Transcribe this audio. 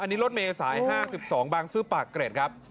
อันนี้รถเมย์สาย๕๒บางซื้อปากเกร็ดครับ